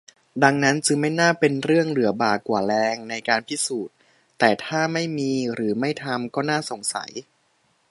ดังนั้นจึงไม่น่าเป็นเรื่องเหลือบ่ากว่าแรงในการพิสูจน์ แต่ถ้าไม่มีหรือไม่ทำ ก็น่าสงสัย